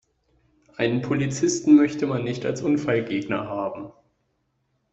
Einen Polizisten möchte man nicht als Unfallgegner haben.